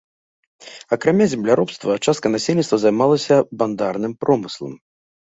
Акрамя земляробства частка насельніцтва займалася бандарным промыслам.